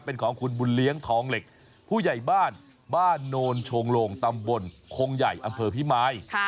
เป็นของคุณบุญเลี้ยงทองเหล็กผู้ใหญ่บ้านบ้านโนนโชงโลงตำบลคงใหญ่อำเภอพิมาย